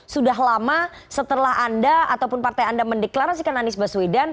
sudah lama setelah anda ataupun partai anda mendeklarasikan anies baswedan